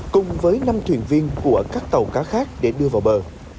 cùng với năm thuyền viên của các tàu cá khác để đưa vào bờ